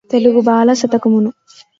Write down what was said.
తెలుగుబాల శతకమును